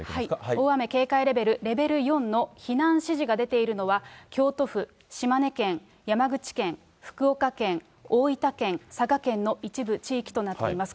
大雨警戒レベル、レベル４の避難指示が出ているのは、京都府、島根県、山口県、福岡県、大分県、佐賀県の一部地域となっています。